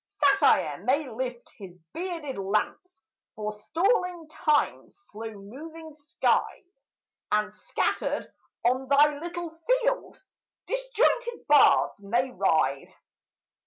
Satire may lift his bearded lance, Forestalling Time's slow moving scythe, And, scattered on thy little field, Disjointed bards may writhe.